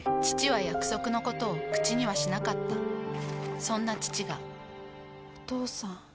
父は約束のことを口にはしなかったそんな父がお父さん。